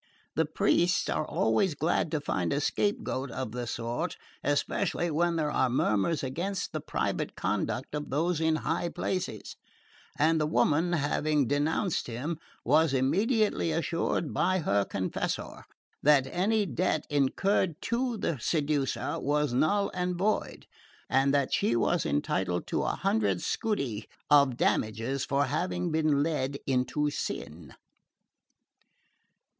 The priests are always glad to find a scape goat of the sort, especially when there are murmurs against the private conduct of those in high places, and the woman, having denounced him, was immediately assured by her confessor that any debt incurred to a seducer was null and void, and that she was entitled to a hundred scudi of damages for having been led into sin."